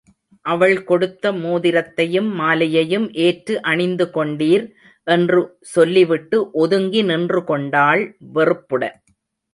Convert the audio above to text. அவள் கொடுத்த மோதிரத்தையும் மாலையையும் ஏற்று அணிந்து கொண்டீர்! என்று சொல்லிவிட்டு ஒதுங்கி நின்றுகொண்டாள், வெறுப்புடன்.